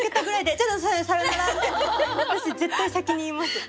私絶対先に言います。